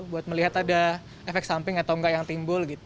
buat melihat ada efek samping atau enggak yang timbul